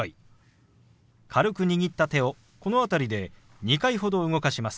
軽く握った手をこの辺りで２回ほど動かします。